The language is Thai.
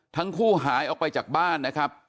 ทั้งคู่หายออกไปจากบ้านนะครับ